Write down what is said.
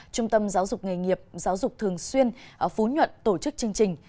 trung tâm giáo dục nghề nghiệp giáo dục thường xuyên phú nhuận tổ chức chương trình